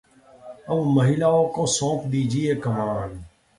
अब महिलाओं को सौंप दीजिए कमान